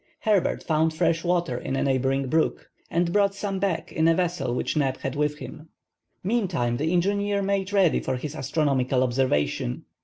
Herbert found fresh water in a neighboring brook, and brought some back in a vessel which Neb had with him. Meantime, the engineer made ready for his astronomical observation.